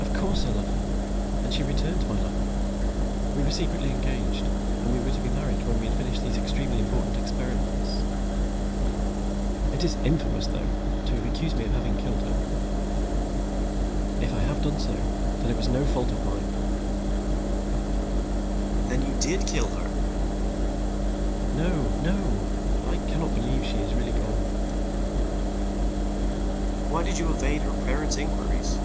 "Of course I love her. And she returned my love. We were secretly engaged, and were to be married when we had finished these extremely important experiments. It is infamous though, to accuse me of having killed her; if I have done so, then it was no fault of mine." "Then you did kill her?" "No, no. I cannot believe she is really gone." "Why did you evade her parents' inquiries?"